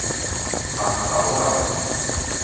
烘豆仔